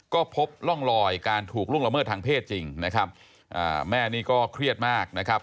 ก็พบร่องรอยการถูกล่วงละเมิดทางเพศจริงนะครับอ่าแม่นี่ก็เครียดมากนะครับ